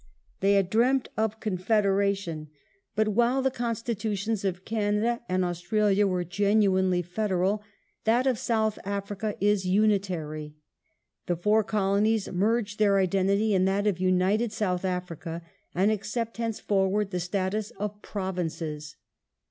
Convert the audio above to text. They had dreamt of confederation. But while the Constitutions of Canada and Aus tralia are genuinely federal, that of South Africa is unitary. The four colonies merge their identity in that of United South Africa, and accept henceforward the status of Provinces.